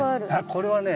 これはね